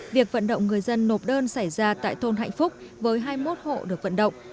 việc vận động người dân nộp đơn xảy ra tại thôn hạnh phúc với hai mươi một hộ được vận động